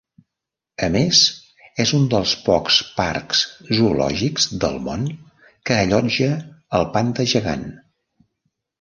A més, és un dels pocs parcs zoològics del món que allotja al panda gegant.